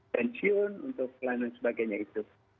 pensiun untuk lain dan sebagainya itu